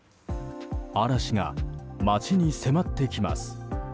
嵐が街に迫ってきます。